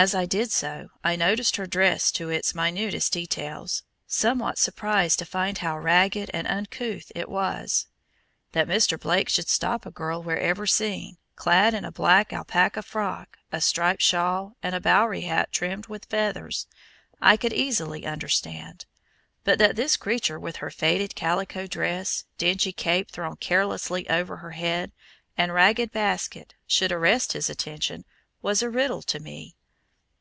As I did so, I noticed her dress to its minutest details, somewhat surprised to find how ragged and uncouth it was. That Mr. Blake should stop a girl wherever seen, clad in a black alpaca frock, a striped shawl and a Bowery hat trimmed with feathers, I could easily understand; but that this creature with her faded calico dress, dingy cape thrown carelessly over her head, and ragged basket, should arrest his attention, was a riddle to me.